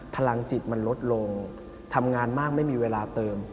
พลังจิตมันลดลงทำงานมากไม่มีเวลาเติม